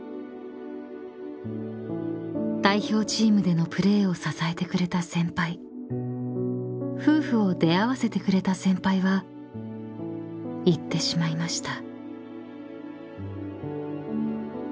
［代表チームでのプレーを支えてくれた先輩夫婦を出会わせてくれた先輩は逝ってしまいました］